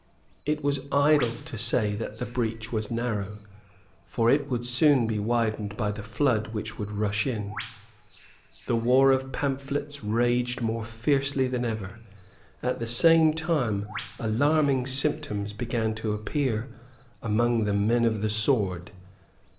It was idle to say that the breach was narrow; for it would soon be widened by the flood which would rush in. The war of pamphlets raged more fiercely than ever. At the same time alarming symptoms began to appear among the men of the sword.